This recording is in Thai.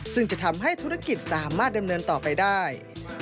ซึ่งจะทำให้ธุรกิจสามารถดำเนินต่อไปได้